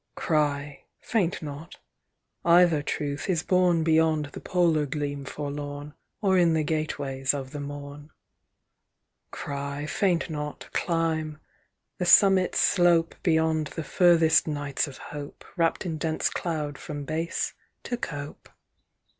"Cry, faint not: either Truth is born Beyond the polar gleam forlorn, Or in the gateways of the morn. "Cry, faint not, climb: the summits slope Beyond the furthest nights of hope, Wrapt in dense cloud from base to cope.